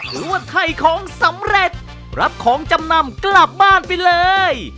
หรือว่าถ่ายของสำเร็จรับของจำนำกลับบ้านไปเลย